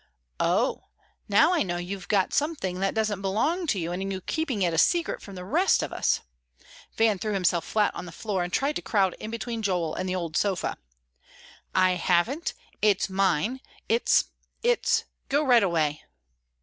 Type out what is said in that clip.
"Oh, now I know you've got something that doesn't belong to you, and you're keeping it secret from the rest of us." Van threw himself flat on the floor and tried to crowd in between Joel and the old sofa. "I haven't; it's mine, it's it's Go right away!"